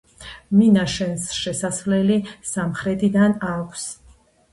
მინაშენს შესასვლელი სამხრეთიდან აქვს.